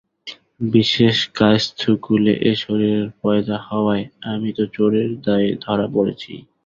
বিশেষ, কায়স্থকুলে এ শরীরের পয়দা হওয়ায়, আমি তো চোরের দায়ে ধরা পড়েছি।